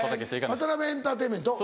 ワタナベエンターテインメント。